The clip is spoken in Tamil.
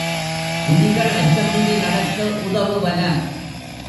விதிகள் அச்சமின்றி நடக்க உதவுவன.